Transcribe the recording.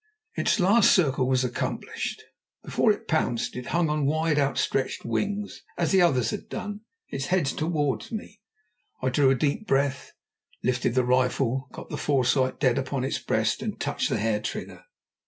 Its last circle was accomplished. Before it pounced it hung on wide, outstretched wings, as the others had done, its head towards me. I drew a deep breath, lifted the rifle, got the foresight dead upon its breast, and touched the hair trigger.